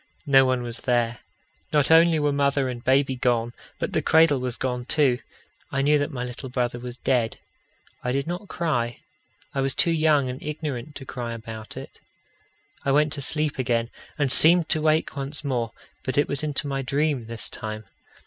No one was there. Not only were mother and baby gone, but the cradle was gone too. I knew that my little brother was dead. I did not cry: I was too young and ignorant to cry about it. I went to sleep again, and seemed to wake once more; but it was into my dream this time.